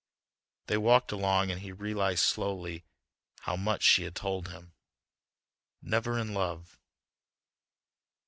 They walked along, and he realized slowly how much she had told him... never in love....